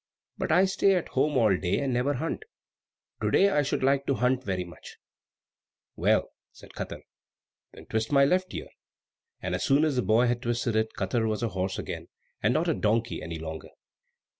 But I stay at home all day, and never hunt. To day I should like to hunt very much." "Well," said Katar, "then twist my left ear;" and as soon as the boy had twisted it, Katar was a horse again, and not a donkey any longer.